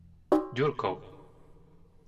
Ďurkov